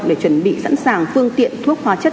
để chuẩn bị sẵn sàng phương tiện thuốc hóa chất